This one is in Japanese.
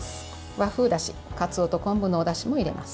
和風だし、かつおと昆布のおだしも入れます。